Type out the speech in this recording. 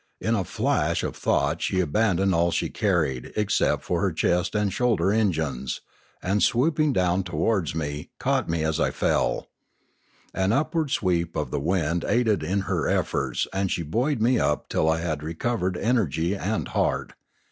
In a flash of thought she abandoned all she carried except her chest and shoulder engines, and, swooping down to wards me, caught me as I fell. An upward sweep of the wind aided her in her efforts, and she buoyed me up till I had recovered energy and heart.